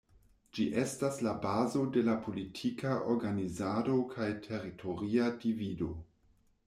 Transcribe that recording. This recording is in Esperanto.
Ĝi estas la bazo de la politika organizado kaj teritoria divido.